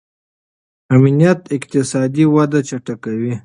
امنیت اقتصادي وده چټکوي.